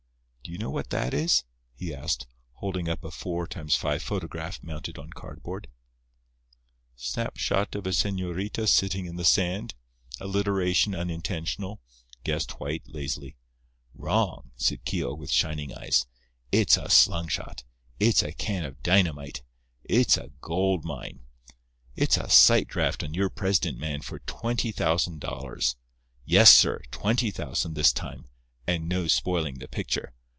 "Do you know what that is?" he asked, holding up a 4 × 5 photograph mounted on cardboard. "Snap shot of a señorita sitting in the sand—alliteration unintentional," guessed White, lazily. "Wrong," said Keogh with shining eyes. "It's a slung shot. It's a can of dynamite. It's a gold mine. It's a sight draft on your president man for twenty thousand dollars—yes, sir—twenty thousand this time, and no spoiling the picture.